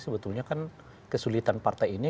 sebetulnya kan kesulitan partai ini